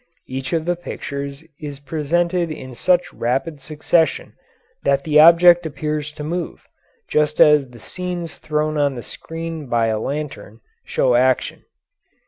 Each of the pictures is presented in such rapid succession that the object appears to move, just as the scenes thrown on the screen by a lantern show action.